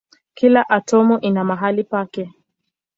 Kila atomu ina mahali pake.